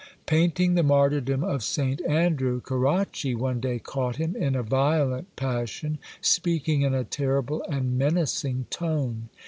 Painting the martyrdom of St. Andrew, Carracci one day caught him in a violent passion, speaking in a terrible and menacing tone.